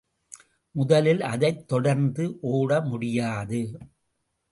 முதலில் அதைத் தொடர்ந்து ஓட முடியாது.